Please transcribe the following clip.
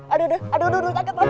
aduh aduh aduh